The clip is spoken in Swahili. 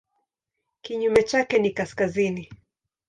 Kinyume chake ni kaskazini.